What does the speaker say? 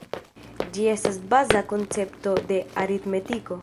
Ĝi estas baza koncepto de aritmetiko.